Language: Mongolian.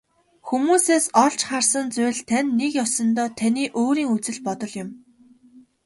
Хүмүүсээс олж харсан зүйл тань нэг ёсондоо таны өөрийн үзэл бодол юм.